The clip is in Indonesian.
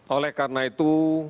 oleh karena itu